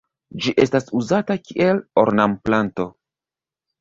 Ĝi estas uzata kiel ornamplanto.